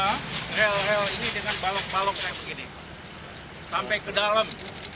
karena rel rel ini dengan balok balok kayak begini sampai ke dalam